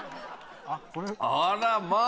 あらまぁ！